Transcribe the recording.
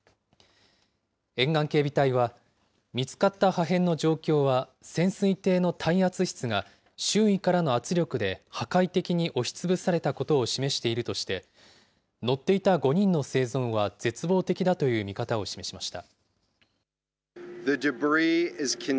沿岸警備隊は、見つかった破片の状況は、潜水艇の耐圧室が周囲からの圧力で破壊的に押しつぶされたことを示しているとして、乗っていた５人の生存は絶望的だという見方を示しました。